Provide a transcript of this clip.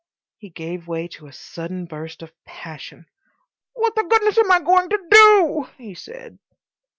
He gave way to a sudden burst of passion. "What the goodness am I to DO?" he said.